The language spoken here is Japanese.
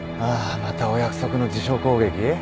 あまたお約束の辞書攻撃？